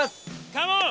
カモン！